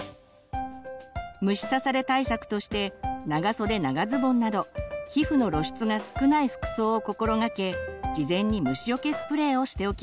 虫刺され対策として長袖長ズボンなど皮膚の露出が少ない服装を心がけ事前に虫よけスプレーをしておきましょう。